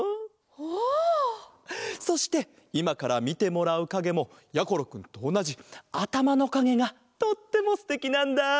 そしていまからみてもらうかげもやころくんとおなじあたまのかげがとってもすてきなんだ。